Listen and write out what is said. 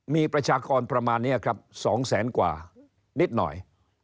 มีประชากรประมาณนี้ครับ๒แสนกว่านิดหน่อย